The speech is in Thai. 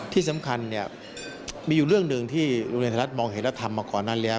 ที่สำคัญเนี่ยมีอยู่เรื่องหนึ่งที่โรงเรียนไทยรัฐมองเห็นแล้วทำมาก่อนนั้นแล้ว